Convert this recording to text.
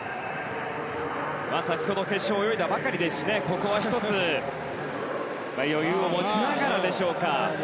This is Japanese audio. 先ほど決勝を泳いだばかりですしここは１つ余裕を持ちながらでしょうか。